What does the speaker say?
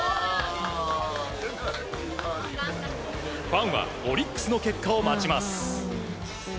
ファンはオリックスの結果を待ちます。